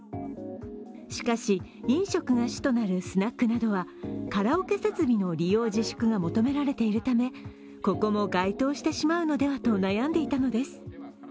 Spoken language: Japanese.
しかし、飲食が主となるスナックなどはカラオケ設備の利用自粛が求められているため、ここも該当してしまうのではと悩んでいたのです。